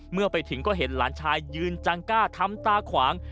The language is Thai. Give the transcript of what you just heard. เมื่อไปถึงก็เห็นหลานชายยืนจังกล้าทำตาขวาง